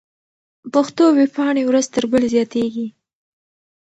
پښتو ويبپاڼې ورځ تر بلې زياتېږي.